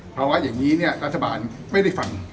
ภาวะอย่างนี้เนี่ยรัฐบาลไม่ได้ฟัง